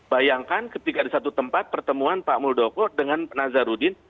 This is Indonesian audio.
bayangkan ketika di satu tempat pertemuan pak muldoko dengan nazarudin